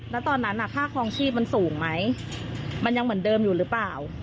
แล้วตอนนั้นค่าคลองชีพมันสูงไหมมันยังเหมือนเดิมอยู่หรือเปล่า